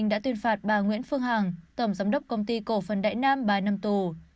đã tuyên phạt bà nguyễn phương hằng tổng giám đốc công ty cổ phần đại nam ba năm tù